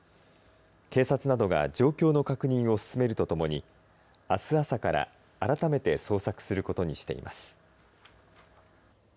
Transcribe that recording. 警察などが状況の確認を進めるとともにあす朝から改めて捜索することにしています。